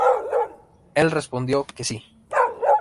Él respondió que sí.